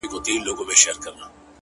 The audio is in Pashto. o ماته د مار خبري ډيري ښې دي؛